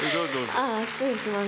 ああ失礼します。